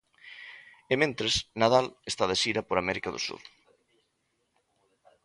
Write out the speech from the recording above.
E mentres, Nadal está de xira por América do Sur.